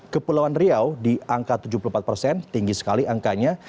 kepulauan riau di angka tujuh puluh empat persen tinggi sekali angkanya